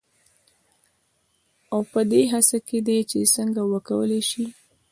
او پـه دې هـڅـه کې دي چـې څـنـګه وکـولـى شـي.